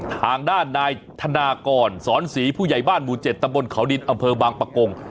ทางด้านนายธนากรสอนศรีผู้ใหญ่บ้านหมู่๗ตำบลเขาดินอำเภอบางปะกง